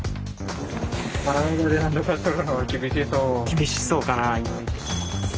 厳しそうかな。